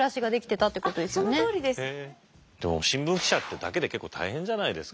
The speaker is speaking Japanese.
新聞記者ってだけで結構大変じゃないですか。